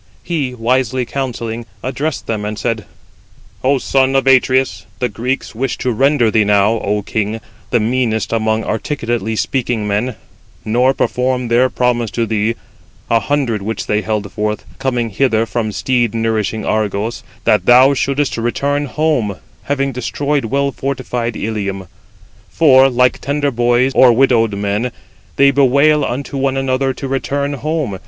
He wisely counselling, addressed them, and said: "O son of Atreus, the Greeks wish to render thee now, O king, the meanest amongst articulately speaking men; nor perform their promise to thee, 100 which they held forth, coming hither from steed nourishing Argos, that thou shouldest return home, having destroyed well fortified Ilium. For, like tender boys, or widowed women, they bewail unto one another to return home.